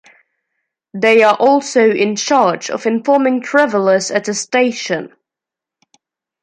They are also in charge of informing travelers at the station.